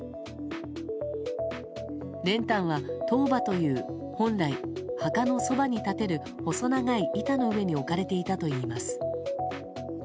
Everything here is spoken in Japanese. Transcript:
練炭は、塔婆という本来、墓のそばに立てる細長い板の上に置かれていたといいます。